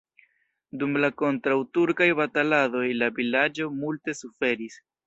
Dum la kontraŭturkaj bataladoj la vilaĝo multe suferis.